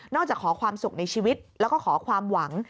จากขอความสุขในชีวิตแล้วก็ขอความหวัง